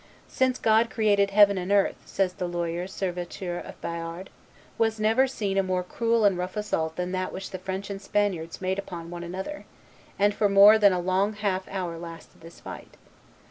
"Since God created heaven and earth," says the Loyal Serviteur of Bayard, "was never seen a more cruel and rough assault than that which French and Spaniards made upon one another, and for more than a long half hour lasted this fight.